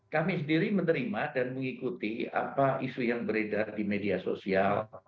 kami sendiri menerima dan mengikuti apa isu yang beredar di media sosial